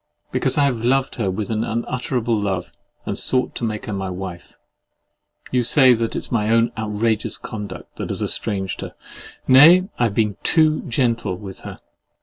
Because I have loved her with unutterable love, and sought to make her my wife. You say it is my own "outrageous conduct" that has estranged her: nay, I have been TOO GENTLE with her.